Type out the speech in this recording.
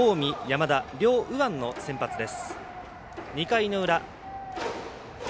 近江、山田両右腕の先発です。